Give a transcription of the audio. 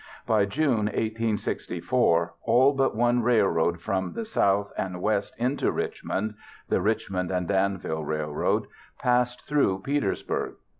By June 1864, all but one railroad from the south and west into Richmond—the Richmond and Danville Railroad—passed through Petersburg.